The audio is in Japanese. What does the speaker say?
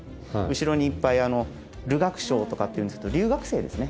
後ろにいっぱい留学生とかっていうんですけど留学生ですね